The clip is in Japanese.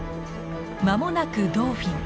間もなくドーフィン。